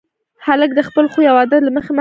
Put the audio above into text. هلک د خپل خوی او عادت له مخې محبوب دی.